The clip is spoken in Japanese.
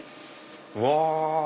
うわ！